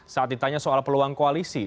saat ditanya soal peluang koalisi